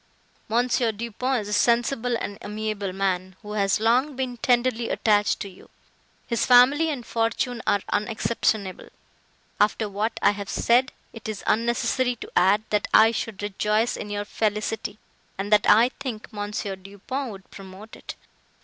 M. Du Pont is a sensible and amiable man, who has long been tenderly attached to you; his family and fortune are unexceptionable;—after what I have said, it is unnecessary to add, that I should rejoice in your felicity, and that I think M. Du Pont would promote it.